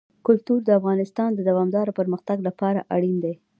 کلتور د افغانستان د دوامداره پرمختګ لپاره اړین دي.